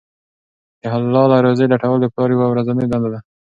د حلاله روزۍ لټول د پلار یوه ورځنۍ دنده ده.